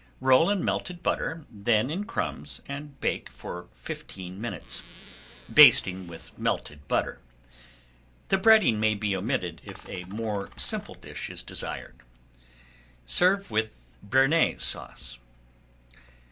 Roll in melted butter, then in crumbs, and bake for fifteen minutes, basting with melted butter; the breading may be omitted if a more simple dish is desired. Serve with Bearnaise Sauce.